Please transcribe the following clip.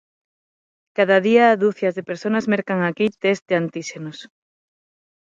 Cada día ducias de persoas mercan aquí test de antíxenos.